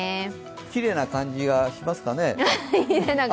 きれいな感じがしますかね。